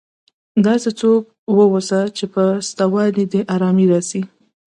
داسي څوک واوسه، چي په سته والي دي ارامي راسي.